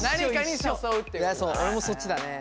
俺もそっちだね。